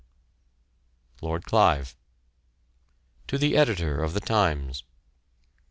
LORD CLIVE. To the Editor of The Times.